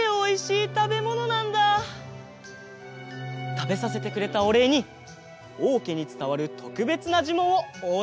たべさせてくれたおれいにおうけにつたわるとくべつなじゅもんをおおしえしましょう！